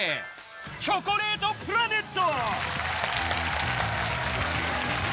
チョコレートプラネット。